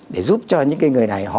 để giúp cho những người này